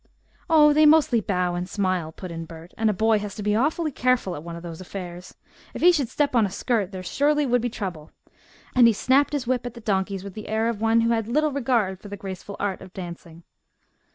"Oh, they mostly bow and smile," put in Bert, "and a boy has to be awfully careful at one of those affairs. If he should step on a skirt there surely would be trouble," and he snapped his whip at the donkeys with the air of one who had little regard for the graceful art of dancing.